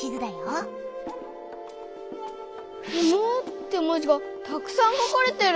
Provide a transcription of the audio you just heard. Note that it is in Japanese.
「不毛」って文字がたくさん書かれてる。